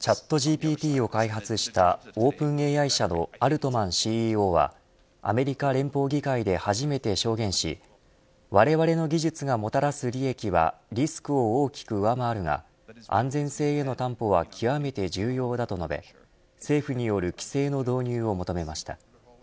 チャットＧＰＴを開発したオープンＡＩ社のアルトマンＣＥＯはアメリカ連邦議会で初めて証言しわれわれの技術がもたらす利益はリスクを大きく上回るが安全性への担保は極めて重要だと述べ政府による規制の導入を求めました。